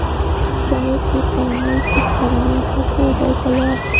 جاوید په اوه کلنۍ کې پلرني ټاټوبي ته لاړ